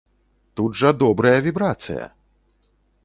Тут жа добрая вібрацыя!